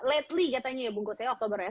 lately katanya ya bungkutnya oktober ya